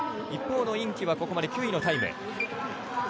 一方のイン・キはここまで９位のタイム。